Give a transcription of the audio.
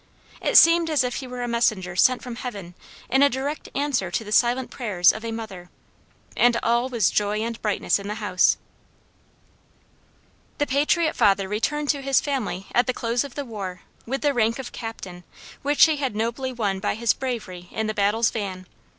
It seemed as if he were a messenger sent from heaven in direct answer to the silent prayers of a mother, and all was joy and brightness in the house." The patriot father returned to his family at the close of the war with the rank of Captain, which he had nobly won by his bravery in the battle's van.